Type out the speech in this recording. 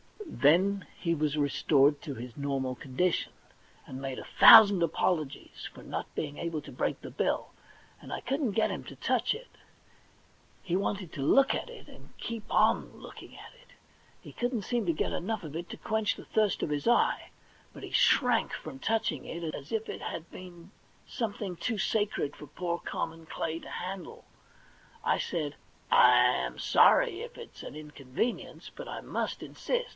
Then he was restored to his normal condition, and made a thousand apologies for not being able to break the bill, and I couldn't get him to touch it. He wanted to look at it, and keep on looking at it ; he couldn't seem to get enough of it to quench the thirst of his eye, but he shrank from touching it as if it had been something too sacred for poor common clay to handle. I said ; *I am sorry if it is an inconvenience, but I must insist.